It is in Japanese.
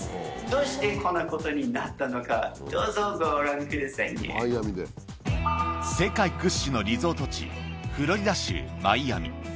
どうしてこんなことになったのか、世界屈指のリゾート地、フロリダ州マイアミ。